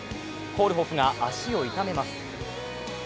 コールホフが足を痛めます。